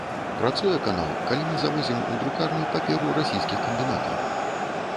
Працуе канал, калі мы завозім у друкарню паперу расійскіх камбінатаў.